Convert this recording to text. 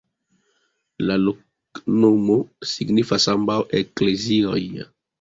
La loknomo signifas: ambaŭ eklezioj.